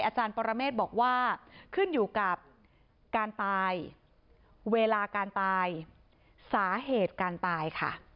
อาจารย์ปรเมฆบอกว่าขึ้นอยู่กับการตายเวลาการตายสาเหตุการตายค่ะ